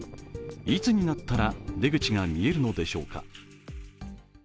いつになったら出口が見えるのでしょうか。